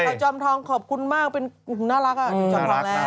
โอ้ยจอมทองขอบคุณมากน่ารักจอมทองแง่